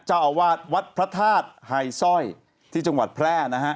เจ้าอาวาสวัดพระธาตุไฮสร้อยที่จังหวัดแพร่นะฮะ